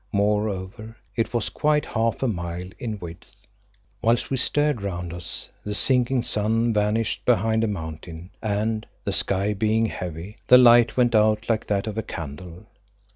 Moreover, it was quite half a mile in width. Whilst we stared round us the sinking sun vanished behind a mountain and, the sky being heavy, the light went out like that of a candle.